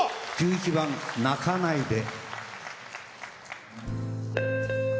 １１番「泣かないで」。